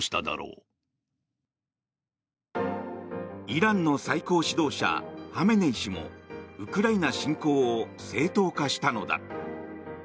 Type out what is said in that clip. イランの最高指導者ハメネイ師もウクライナ侵攻を正当化したのだ。